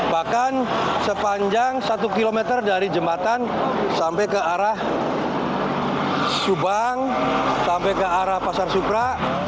bahkan sepanjang satu km dari jembatan sampai ke arah subang sampai ke arah pasar supra